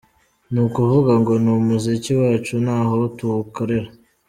Ni ukuvuga ngo ni umuziki wacu n’aho tuwukorera.